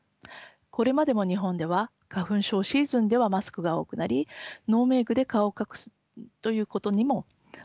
これまでも日本では花粉症シーズンではマスクが多くなりノーメークで顔を隠すということにもマスクを利用してきました。